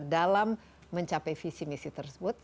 dalam mencapai visi misi tersebut